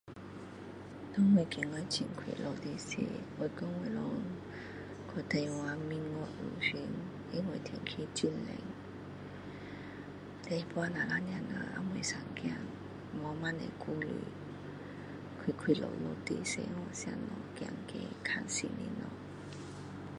给我觉得很快乐的是我跟我老公去台湾蜜月旅行因为天气很冷当那时只有两个人没生孩子没那么多顾虑快快乐乐的出去吃东西走走看新的东西